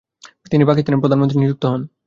তিনি পাকিস্তানের প্রধানমন্ত্রী নিযুক্ত হন।